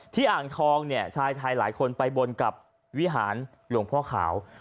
อ่างทองเนี่ยชายไทยหลายคนไปบนกับวิหารหลวงพ่อขาว